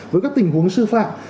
với các tình huống sư phạm